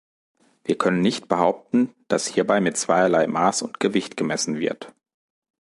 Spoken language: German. Wir können nicht behaupten, dass hierbei mit zweierlei Maß und Gewicht gemessen wird.